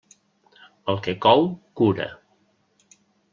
El que cou cura.